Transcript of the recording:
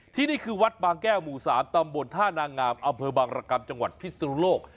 นี่คือวัดบางแก้วหมู่๓ตำบลท่านางามอำเภอบางรกรรมจังหวัดพิศนุโลก